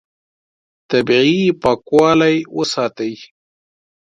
طبیعي پاکوالی وساتئ.